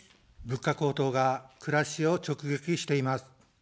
物価高騰が暮らしを直撃しています。